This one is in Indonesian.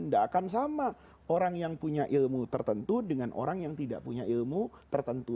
tidak akan sama orang yang punya ilmu tertentu dengan orang yang tidak punya ilmu tertentu